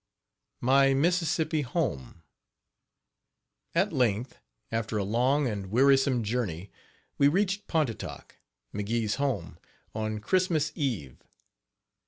MY MISSISSIPPI HOME. At length, after a long and wearisome journey, we reached Pontotoc, McGee's home, on Christmas eve.